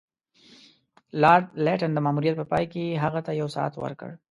لارډ لیټن د ماموریت په پای کې هغه ته یو ساعت ورکړ.